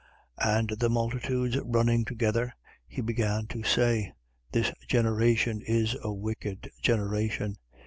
11:29. And the multitudes running together, he began to say: This generation is a wicked generation.